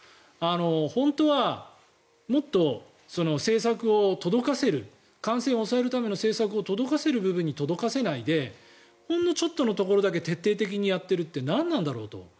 本当はもっと政策を届かせる感染を抑えるための政策を届かせるところまで届かせないでほんのちょっとのところだけ徹底的にやっているって何なんだろうって